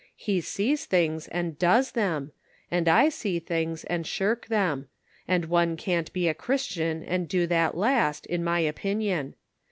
He sees things and does them, and I see things and shirk them ; and one can't be a Christian and do that last, in my opinion.